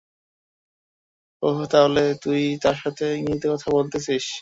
ওহ, তাহলে তুই তার সাথে ইংরেজিতে কথা বলেছিস?